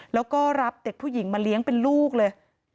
แล้วก็รับเด็กผู้หญิงมาเลี้ยงเป็นลูกเลย